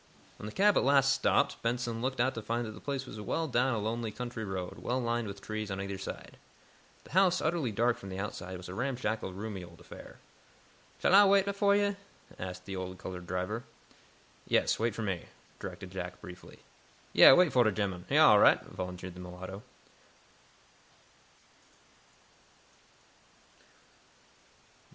When the cab at last stopped, Benson looked out to find that the place was well down a lonely country road, well lined with trees on either side. The house, utterly dark from the outside, was a ramshackle, roomy old affair. "Shall Ah wait fo' yo'?" asked the old colored driver. "Yes, wait for me," directed Jack, briefly. "Yeah; wait fo' de gemmun. He's all right," volunteered the mulatto.